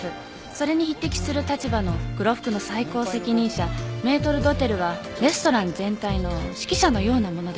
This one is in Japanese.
それに匹敵する立場の黒服の最高責任者メートル・ドテルはレストラン全体の指揮者のようなものです。